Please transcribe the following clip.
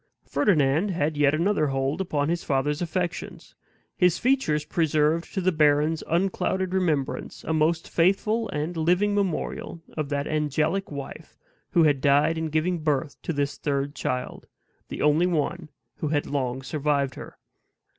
Ferdinand had yet another hold upon his father's affections: his features preserved to the baron's unclouded remembrance a most faithful and living memorial of that angelic wife who had died in giving birth to this third child the only one who had long survived her.